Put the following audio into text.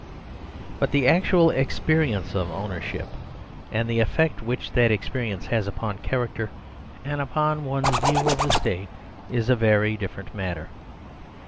But the actual experience of ownership, and the effect which that experience has upon character and upon one's view of the State is a very different matter.